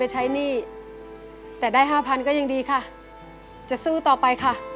สวัสดีค่ะ